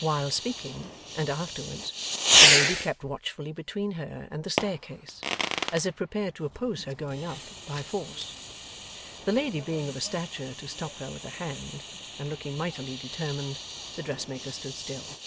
While speaking, and afterwards, the lady kept watchfully between her and the staircase, as if prepared to oppose her going up, by force. The lady being of a stature to stop her with a hand, and looking mightily determined, the dressmaker stood still.